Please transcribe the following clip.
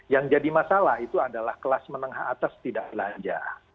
yang jadi masalah itu adalah kelas menengah atas tidak belanja